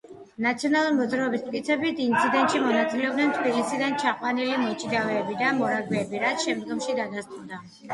ნაციონალური მოძრაობის მტკიცებით, ინციდენტში მონაწილეობდნენ თბილისიდან ჩაყვანილი მოჭიდავეები და მორაგბეები, რაც შემდგომში დადასტურდა.